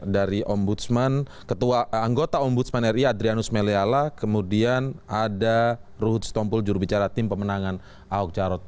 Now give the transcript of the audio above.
dari ombudsman anggota ombudsman ri adrianus meliala kemudian ada ruhut stompul jurubicara tim pemenangan ahok jarot